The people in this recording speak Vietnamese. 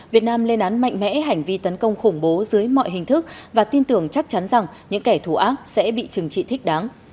việt nam lên án mạnh mẽ hành vi tấn công khủng bố dưới mọi hình thức và tin tưởng chắc chắn rằng những kẻ thù ác sẽ bị trừng trị thích đáng